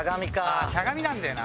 ああしゃがみなんだよな。